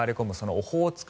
オホーツク